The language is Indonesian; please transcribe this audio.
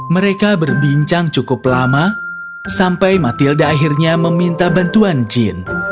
mereka berbincang cukup lama sampai matilda akhirnya meminta bantuan jin